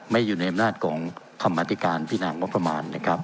ไม่อยู่ในอำนาจของกรรมหาติการพินางบประมาณ